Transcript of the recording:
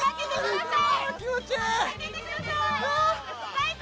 最高！